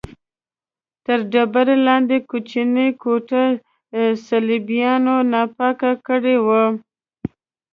تر ډبرې لاندې کوچنۍ کوټه صلیبیانو ناپاکه کړې وه.